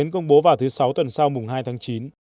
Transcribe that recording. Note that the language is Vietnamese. công bố vào thứ sáu tuần sau mùng hai tháng chín